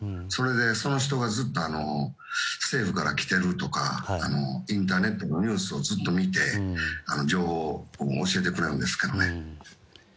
それでその人がずっと政府からきているとかインターネットのニュースをずっと見て情報を教えてくれるんですけどね。